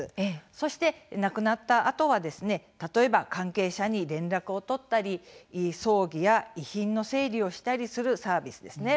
そして、亡くなったあとは例えば、関係者に連絡を取ったり葬儀や遺品の整理をしたりするサービスです。